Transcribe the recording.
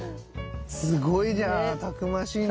すごいじゃあたくましいんだ。